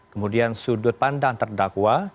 kemudian sudut pandang terdakwa